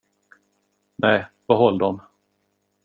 Nej, behåll dem.